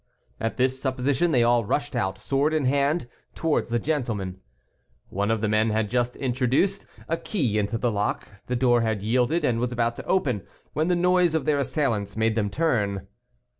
At this supposition they all rushed out, sword in hand, towards the gentlemen. One of the men had just introduced a key into the lock; the door had yielded and was about to open, when the noise of their assailants made them turn.